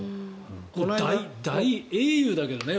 大英雄だけどね